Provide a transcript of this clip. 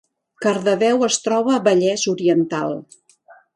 Cardedeu es troba Vallès Oriental